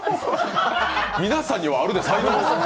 皆さんにはあるで、才能？